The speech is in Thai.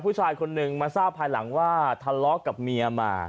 ผู้ชายคนนึงมาทราบภายหลังว่าทะเลาะกับเมียมา